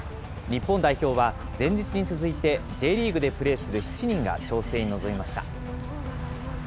日本代表は前日に続いて、Ｊリーグでプレーする７人が調整に臨みました。